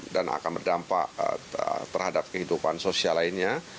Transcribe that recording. dan akan berdampak terhadap kehidupan sosial lainnya